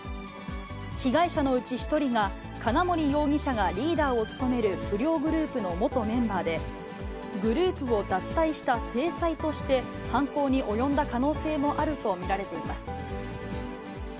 被害者のうち１人が金森容疑者がリーダーを務める不良グループの元メンバーで、グループを脱退した制裁として、犯行に及んだ可能性もあると見られています。